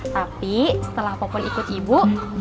tapi setelah popon ikut ibu